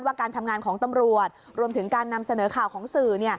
การทำงานของตำรวจรวมถึงการนำเสนอข่าวของสื่อ